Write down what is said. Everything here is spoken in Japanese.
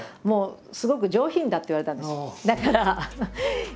「すごく上品だ」って言われたんです。